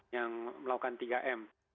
yang melakukan tiga m